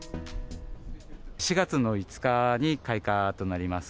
４月の５日に開花となります。